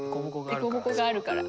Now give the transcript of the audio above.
でこぼこがあるから？